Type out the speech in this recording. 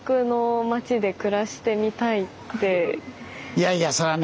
いやいやそれはね。